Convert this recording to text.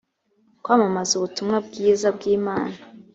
kwamamaza ubutumwa bwiza bw’imana